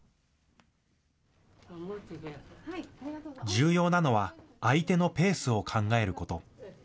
重要なのは相手のペースを考えること。